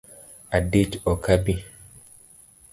Adich ok abi